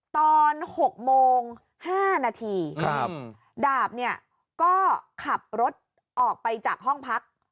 ตอน๖โมง๕นาทีดาบเนี่ยก็ขับรถออกไปจากห้องพัก